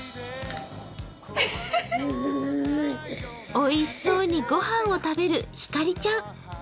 おいしそうに御飯を食べるひかりちゃん。